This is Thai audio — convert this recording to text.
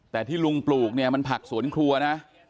แต่ที่ลุงปลูกเนี่ยมันผักสวนครัวนะ